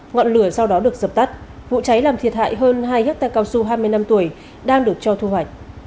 ngọn lửa sau đó được dập tắt vụ cháy làm thiệt hại hơn hai hectare cao su hai mươi năm tuổi đang được cho thu hoạch